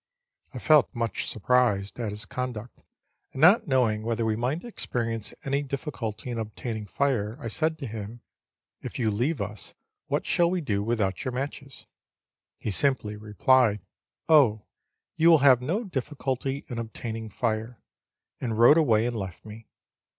I felt much surprised at his conduct, and not knowing whether we might experience any difficulty in ob taining fire, I said to him, " If you leave us, what shall we do without your matches ?" He simply replied, " Oh, you will have no difficulty in obtaining fire," and rode away and left me.